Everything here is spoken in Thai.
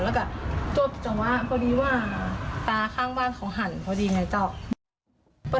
แล้วก็จบจังหวะพอดีว่าตาข้างบ้านเขาหันพอดีไงเจ้า